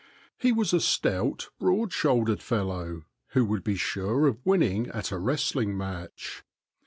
He was a stout, broad shouldered fellow who would be sure of win ning at a wrestling match.